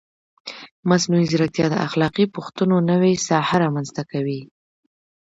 مصنوعي ځیرکتیا د اخلاقي پوښتنو نوې ساحه رامنځته کوي.